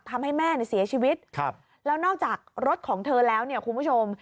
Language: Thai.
ทำให้แม่เสียชีวิตแล้วนอกจากรถของเธอแล้วเนี่ยคุณผู้ชม